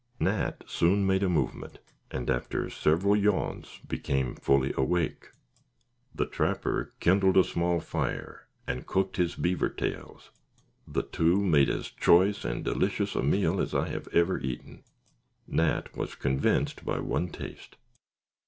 Nat soon made a movement, and, after several yawns, became fully awake. The trapper kindled a small fire, and cooked his beaver tails. The two made as choice and delicious a meal as I had ever eaten. Nat was convinced by one taste.